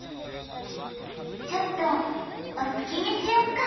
ちょっとおつきみしよっか。